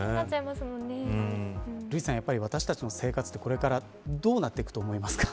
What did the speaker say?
瑠麗さん、私たちの生活ってこれからどうなっていくと思いますか。